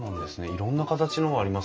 いろんな形のがありますね。